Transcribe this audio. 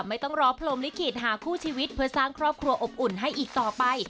ไม่ต้องรอพรมลิขิตหาคู่ชีวิตเพื่อสร้างครอบครัวอบอุ่นให้อีกต่อไป